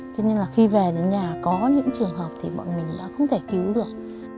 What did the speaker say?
cho nên là khi về đến nhà có những trường hợp thì bọn mình đã không thể cứu được